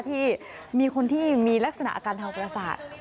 ที่มีคนที่มีลักษณะอาการทางประสาท